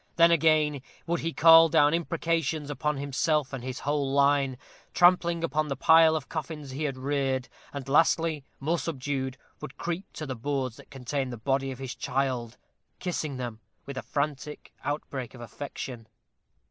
Then, again, would he call down imprecations upon himself and his whole line, trampling upon the pile of coffins he had reared; and lastly, more subdued, would creep to the boards that contained the body of his child, kissing them with a frantic outbreak of affection.